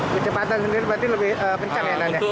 kecepatan sendiri berarti lebih kencang ya nana